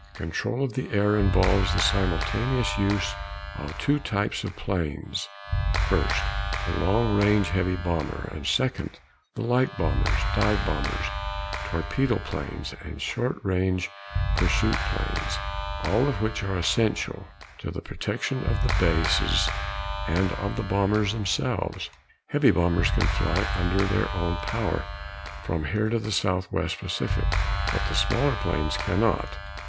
Control of the air involves the simultaneous use of two types of planes first, the long range heavy bomber; and, second, the light bombers, dive bombers, torpedo planes, and short range pursuit planes, all of which are essential to the protection of the bases and of the bombers themselves. Heavy bombers can fly under their own power from here to the southwest Pacific, but the smaller planes cannot.